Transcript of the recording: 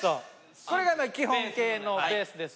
これが基本形のベースです。